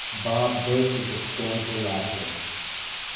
Bob burst into scornful laughter.